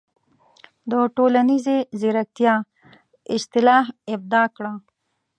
د"ټولنیزې زیرکتیا" اصطلاح ابداع کړه.